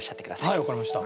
はい分かりました。